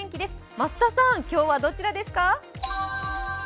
増田さん、今日はどちらですか？